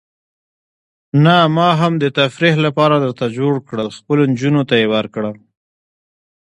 نه، ما هم د تفریح لپاره درته جوړ کړل، خپلو نجونو ته یې ورکړه.